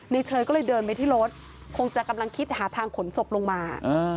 เชยก็เลยเดินไปที่รถคงจะกำลังคิดหาทางขนศพลงมา